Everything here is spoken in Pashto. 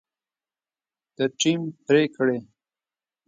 د ټیم پرېکړې